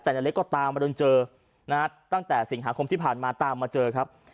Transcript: แต่นายเล็กก็ตามมาจนเจอนะฮะตั้งแต่สิงหาคมที่ผ่านมาตามมาเจอครับ